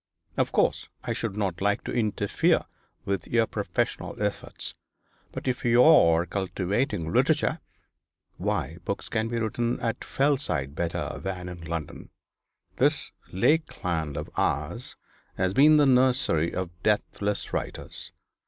Of course I should not like to interfere with your professional efforts but if you are cultivating literature, why books can be written at Fellside better than in London. This lakeland of ours has been the nursery of deathless writers.